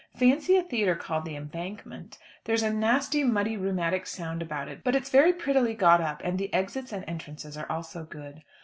Fancy a theatre called "The Embankment"! There is a nasty muddy rheumatic sound about it; but it's very prettily got up, and the exits and entrances are also good.